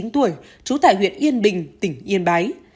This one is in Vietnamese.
hai mươi chín tuổi trú tại huyện yên bình tỉnh yên bái